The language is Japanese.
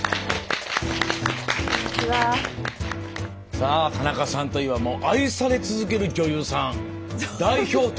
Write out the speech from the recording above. さあ田中さんといえば愛され続ける女優さん代表と。